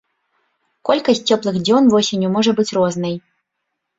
Колькасць цёплых дзён восенню можа быць рознай.